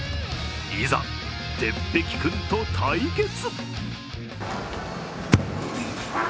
いざ、鉄壁君と対決！